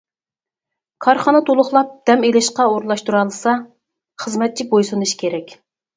كارخانا تولۇقلاپ دەم ئېلىشقا ئورۇنلاشتۇرالىسا، خىزمەتچى بويسۇنۇشى كېرەك.